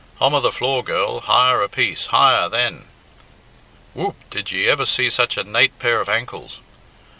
Hommer the floor, girl higher a piece! higher, then! Whoop, did ye ever see such a nate pair of ankles?"